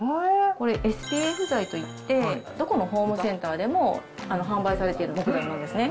これ、ＳＰＦ材といって、どこのホームセンターでも販売されている木材なんですね。